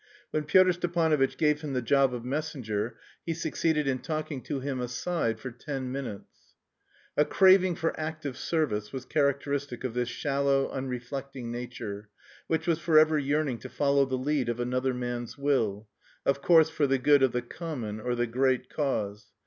When Pyotr Stepanovitch gave him the job of messenger, he succeeded in talking to him aside for ten minutes. A craving for active service was characteristic of this shallow, unreflecting nature, which was forever yearning to follow the lead of another man's will, of course for the good of "the common" or "the great" cause.